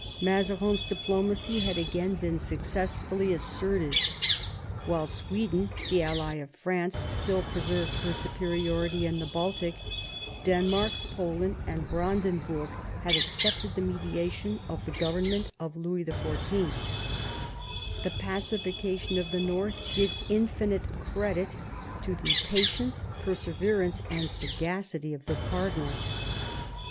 Mazarin's diplomacy had again been suc cessfully asserted. While Sweden, the ally of France, still preserved her superiority in the Baltic, Denmark, Poland, and Brandenburg had accepted the mediation of the government of Louis XIV. The pacification of the north did infinite credit to the patience, perseverance, and sagacity of the cardinal.